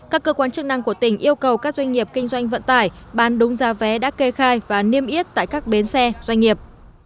các cơ quan chức năng của tỉnh yêu cầu các doanh nghiệp kinh doanh vận tải bán đúng giá vé đã kê khai và niêm yết tại các bến xe doanh nghiệp